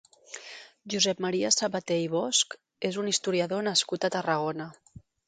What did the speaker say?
Josep Maria Sabaté i Bosch és un historiador nascut a Tarragona.